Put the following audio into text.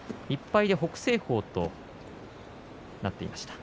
１敗で北青鵬となっていました。